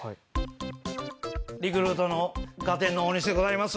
リクルートの『ガテン』のオオニシでございます。